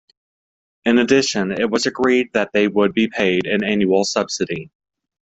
In addition, it was agreed that they would be paid an annual subsidy.